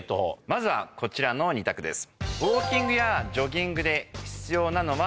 まずはこちらの２択です。